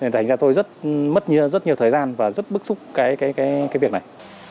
thành ra tôi rất mất rất nhiều thời gian và rất bức xúc việc này